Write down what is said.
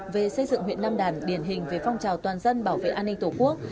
về xây dựng huyện nam đàn điển hình về phong trào toàn dân bảo vệ an ninh tổ quốc